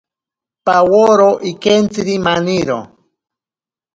Paworo ikentziri maniro.